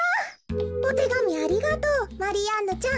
「おてがみありがとうマリアンヌちゃん。